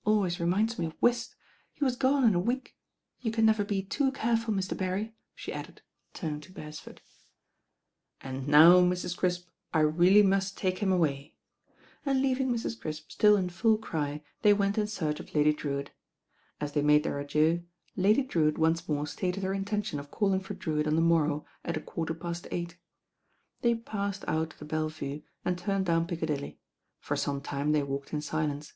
* Always reminds me of whist. He was gone in a week. You can never be too careful, Mr. Berry," she added, turning to Beresford. "And now, Mrs. Crisp, I really must take him away," and leaving Mrs. Crisp still in full cry, they went in search of Lady Drewitt. As they made their adieux. Lady Drewitt once more stated her intention of calling for Drewitt on the morrow at a quarter past eight. They passed out of the Belle Vue and turned down Piccadilly. For some time they walked in silence.